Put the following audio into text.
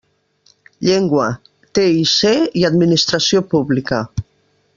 Llengua, TIC i administració pública.